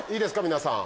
皆さん。